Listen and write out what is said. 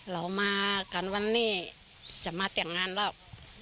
เรามากันวันนี้จะมาแต่งงานแล้ว